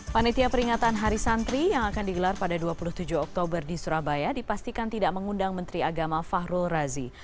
panitia peringatan hari santri yang akan digelar pada dua puluh tujuh oktober di surabaya dipastikan tidak mengundang menteri agama fahrul razi